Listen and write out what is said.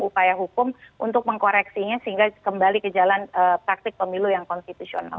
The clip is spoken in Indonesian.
upaya hukum untuk mengkoreksinya sehingga kembali ke jalan praktik pemilu yang konstitusional